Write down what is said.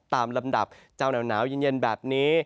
ตามลำดับเจ้าหนาวแนวหนาวเย็นแบบนี้